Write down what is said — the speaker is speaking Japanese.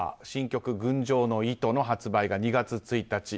新曲「群青の弦」の発売が２月１日。